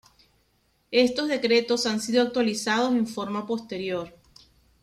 Estos decretos han sido actualizados en forma posterior.